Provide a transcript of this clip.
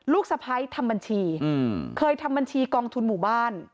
สะพ้ายทำบัญชีเคยทำบัญชีกองทุนหมู่บ้าน